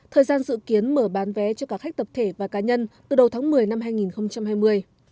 thời gian dự kiến mở bán vé cho các khách tập thể và cá nhân từ đầu tháng một mươi năm hai nghìn hai mươi